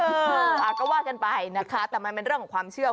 เออก็ว่ากันไปนะคะแต่มันเป็นเรื่องของความเชื่อ